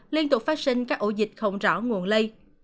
liên tục phát sinh các ổ dịch không rõ nguồn lây